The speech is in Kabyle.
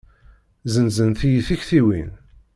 Zenzent-iyi tektiwin.